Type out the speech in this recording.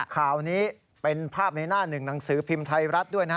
ข่าวนี้เป็นภาพในหน้าหนึ่งหนังสือพิมพ์ไทยรัฐด้วยนะฮะ